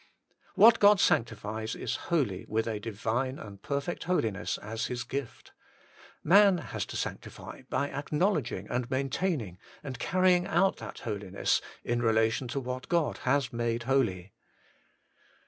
What God sanctifies is holy with a Divine and perfect holiness as His gift : man has to sanctify by acknowledging and maintaining and carrying out that holiness in relation to what God has made holy.